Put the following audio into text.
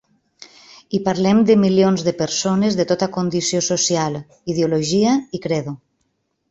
I parlem de milions de persones de tota condició social, ideologia i credo.